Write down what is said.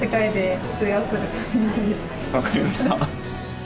分かりました。